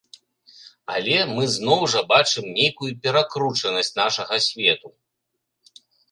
Але мы зноў жа бачым нейкую перакручанасць нашага свету.